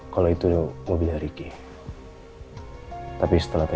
saat saatnya saya antar nilai setelahn ini